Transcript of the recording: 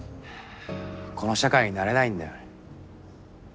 この社会に慣れないんだよ。